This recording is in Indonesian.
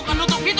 bukan nutup gitu